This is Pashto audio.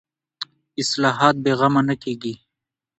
اصلاحات بې زغمه نه کېږي